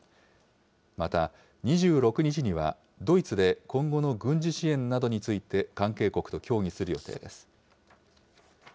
また、２６日にはドイツで今後の軍事支援などについて、関係国と協議する予定です。